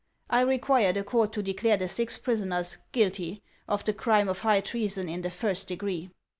I require the court to declare the six prisoners guilty of the crime of high treason in the first degree."